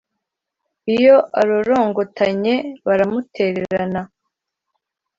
Iyo arorongotanye buramutererana,